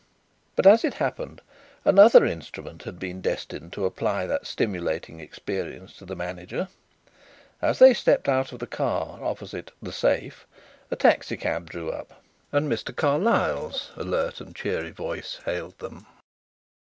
But, as it happened, another instrument had been destined to apply that stimulating experience to the manager. As they stepped out of the car opposite "The Safe" a taxicab drew up and Mr. Carlyle's alert and cheery voice hailed them.